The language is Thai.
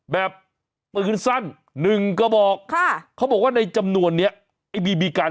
แบบปืนสั้นหนึ่งกระบอกค่ะเขาบอกว่าในจำนวนเนี้ยไอ้บีบีกัน